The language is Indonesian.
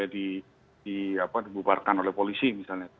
dibubarkan oleh polisi misalnya